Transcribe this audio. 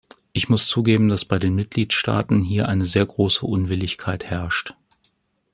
Ich muss zugeben, dass bei den Mitgliedstaaten hier eine sehr große Unwilligkeit herrscht.